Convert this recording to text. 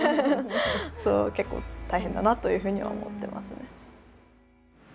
それは結構大変だなというふうには思ってますね。